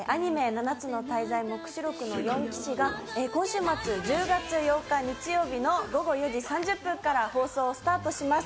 「七つの大罪黙示録の四騎士」が今週末、１０月８日日曜日の午後４時３０分から放送スタートします。